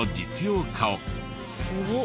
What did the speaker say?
すごっ。